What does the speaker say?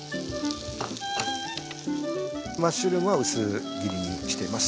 マッシュルームは薄切りにしてます。